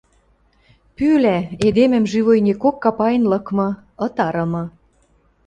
Пӱлӓ эдемӹм живойнекок капаен лыкмы, ытарымы.